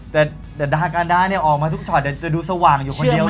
แต่ดาการดาเนี่ยออกมาทุกช็อตจะดูสว่างอยู่คนเดียว